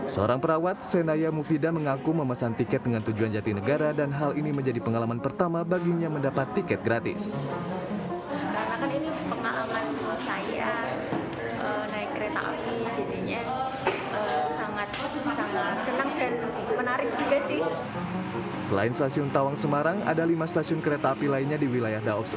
seorang perawat senaya mufida mengaku memesan tiket dengan tujuan jati negara dan hal ini menjadi pengalaman pertama baginya mendapat tiket gratis